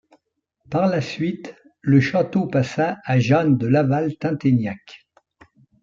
Par la suite, le château passa à Jeanne de Laval-Tinténiac.